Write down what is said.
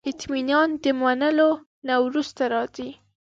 اطمینان د منلو نه وروسته راځي.